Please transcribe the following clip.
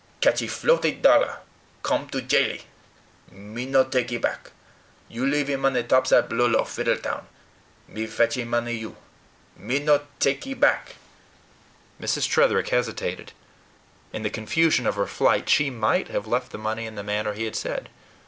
catchee flowty dollar: come to jailee.' Me no takee back. You leavee money topside blulow, Fiddletown. Me fetchee money you. Me no takee back." Mrs. Tretherick hesitated. In the confusion of her flight, she MIGHT have left the money in the manner he had said.